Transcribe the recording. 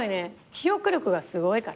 記憶力がすごいから。